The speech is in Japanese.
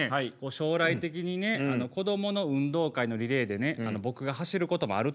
将来的にね子どもの運動会のリレーでね僕が走ることもあると思うんですよ。